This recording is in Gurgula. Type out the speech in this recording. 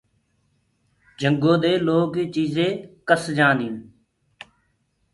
جنگو دي لوه ڪي چيجينٚ ڪس جآنيونٚ هينٚ۔